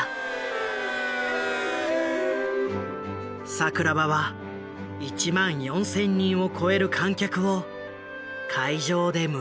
桜庭は１万４，０００人を超える観客を会場で迎えた。